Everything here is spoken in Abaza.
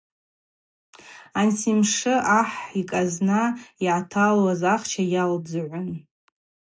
Ансимшы ахӏ йкӏазна йгӏаталуаз ахча йалдзгӏун.